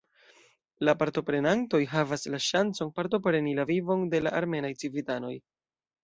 La partoprenantoj havas la ŝancon partopreni la vivon de la armenaj civitanoj.